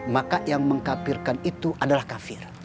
maka yang mengkapirkan itu adalah kafir